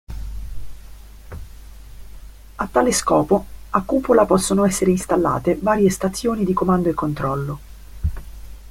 A tale scopo, a Cupola possono essere installate varie stazioni di comando e controllo.